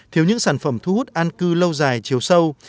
thiếu những sản phẩm thu hút an cư lâu dài chiều sâu